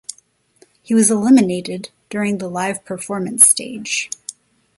He was eliminated during the live performance stage.